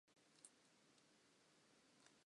Other states follow similar types of restrictions.